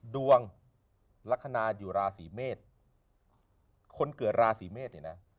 ลักษณะอยู่ราศีเมษคนเกิดราศีเมษเนี่ยนะ